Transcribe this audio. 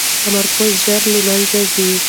تمرکز ژر له منځه ځي.